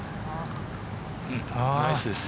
ナイスです。